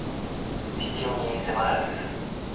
必要に迫られてです。